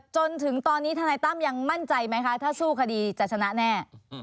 จนถึงตอนนี้ธนายตั้มยังมั่นใจไหมคะถ้าสู้คดีจะชนะแน่